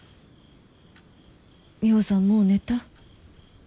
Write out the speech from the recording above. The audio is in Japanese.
ミホさんもう寝た？